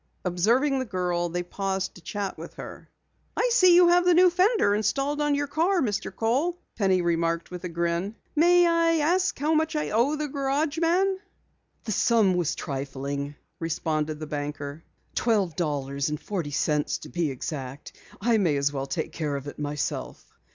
Observing the girl, they paused to chat with her. "I see you have the new fender installed on your car, Mr. Kohl," Penny remarked with a grin. "May I ask how much I owe the garageman?" "The sum was trifling," responded the banker. "Twelve dollars and forty cents to be exact. I may as well take care of it myself."